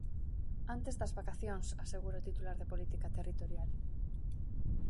Antes das vacacións, asegura o titular de Política Territorial.